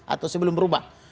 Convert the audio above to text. atau sebelum berubah